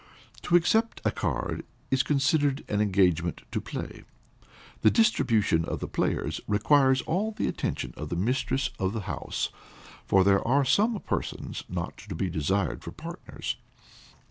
To accept a card, is considered an engagement to play. The distribution of the players requires all the attention of the mistress of the house, for there are some persons not to be desired for partners.